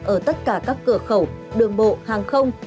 ở tất cả các cửa khẩu đường bộ hàng không